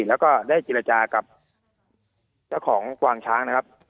แล้วก็ได้เจรจากับเจ้าของกวางช้างนะครับ